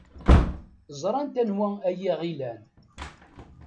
Ẓrant anwa ay aɣ-ilan.